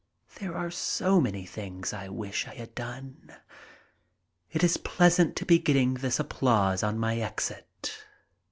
There are so many things I wish I had done. It is pleasant to be getting this applause on my exit.